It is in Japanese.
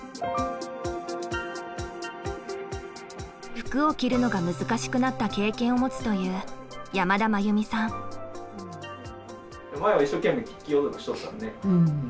服を着るのが難しくなった経験を持つという前は一生懸命着ようとしてたもんね。